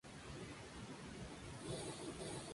El dibujo se muestra en la parte izquierda.